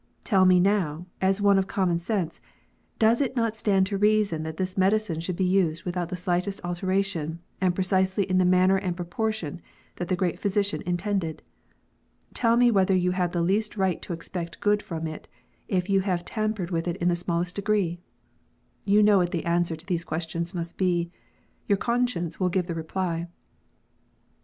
Tell me now, as one of common sense, does it not stand to reason that this medicine should be used without the slightest alteration, and precisely in the manner and proportion that the great Physician intended? Tell me whether you have the least right to expect good from it, if you have tampered with it in the smallest degree 1 You know what the answer to these questions must be : your conscience will give the reply.